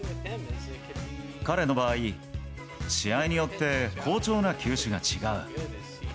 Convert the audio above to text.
彼の場合、試合によって好調な球種が違う。